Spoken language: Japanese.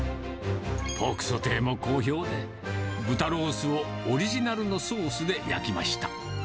ポークソテーも好評で、豚ロースをオリジナルのソースで焼きました。